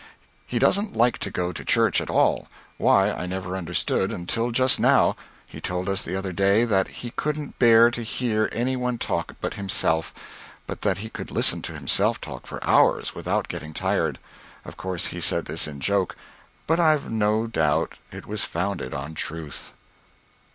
He doesn't like to go to church at all, why I never understood, until just now, he told us the other day that he couldn't bear to hear any one talk but himself, but that he could listen to himself talk for hours without getting tired, of course he said this in joke, but I've no dought it was founded on truth.